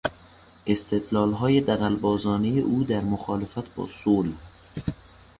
استدلالهای دغلبازانهی او در مخالفت با صلح